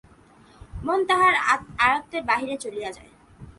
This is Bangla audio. মন তাহার আয়ত্তের বাহিরে চলিয়া যায়।